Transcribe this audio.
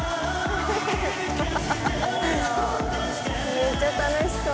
めっちゃ楽しそう。